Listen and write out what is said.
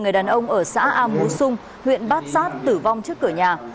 người đàn ông ở xã a mú xung huyện bát sát tử vong trước cửa nhà